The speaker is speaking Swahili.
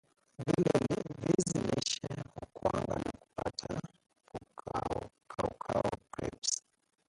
vizi lishe hukaangwa na kupata kaukau crisps